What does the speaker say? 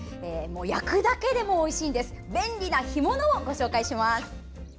焼くだけでもおいしい便利な干物をご紹介します。